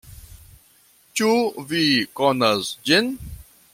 Ĉu vi konas ĝin?